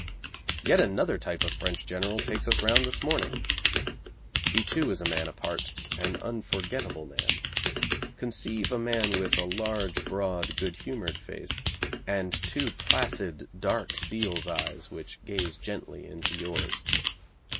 Yet another type of French general takes us round this morning! He, too, is a man apart, an unforgettable man. Conceive a man with a large broad good humoured face, and two placid, dark seal's eyes which gaze gently into yours.